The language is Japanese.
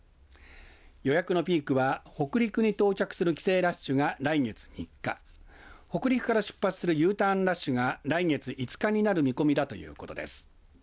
予約のピークは北陸に到着する帰省ラッシュが来月３日北陸から出発するＵターンラッシュが来月５日になる見込みだということです。